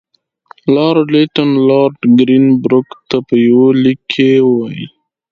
لارډ لیټن لارډ ګرین بروک ته په یوه لیک کې وایي.